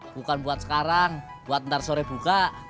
bukan buat sekarang buat ntar sore buka